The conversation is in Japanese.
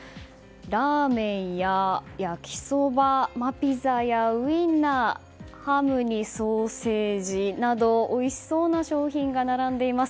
ラーメンや、焼きそばピザやウィンナーハムにソーセージなどおいしそうな商品が並んでいます。